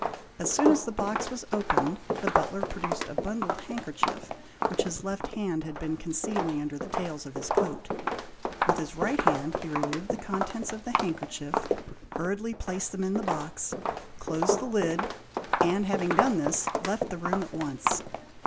As soon as the box was opened, the butler produced a bundled handkerchief which his left hand had been concealing under the tails of his coat. With his right hand he removed the contents of the handkerchief, hurriedly placed them in the box, closed the lid, and having done this, left the room at once.